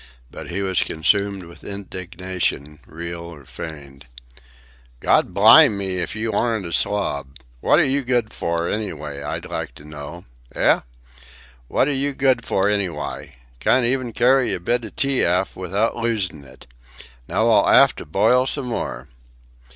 But he was consumed with indignation, real or feigned. "Gawd blime me if you ayn't a slob. Wot 're you good for anyw'y, I'd like to know? Eh? Wot 're you good for any'wy? Cawn't even carry a bit of tea aft without losin' it. Now I'll 'ave to boil some more.